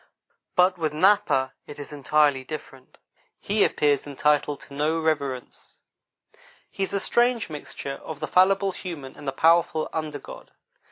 But with Napa it is entirely different; he appears entitled to no reverence; he is a strange mixture of the fallible human and the powerful under god.